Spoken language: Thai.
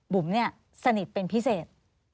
บุ๋มเนี่ยสนิทเป็นพิเศษ